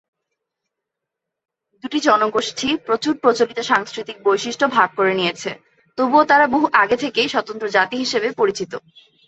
দুটি জনগোষ্ঠী প্রচুর প্রচলিত সাংস্কৃতিক বৈশিষ্ট্য ভাগ করে নিয়েছে, তবুও তারা বহু আগে থেকেই স্বতন্ত্র জাতি হিসাবে পরিচিত।